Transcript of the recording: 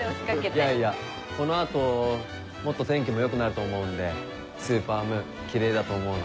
いやいやこの後もっと天気も良くなると思うんでスーパームーンキレイだと思うな。